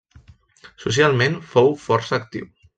Socialment fou força actiu.